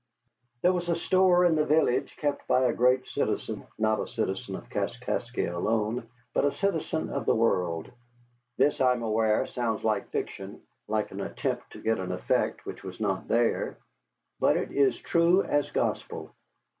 There was a store in the village kept by a great citizen, not a citizen of Kaskaskia alone, but a citizen of the world. This, I am aware, sounds like fiction, like an attempt to get an effect which was not there. But it is true as gospel.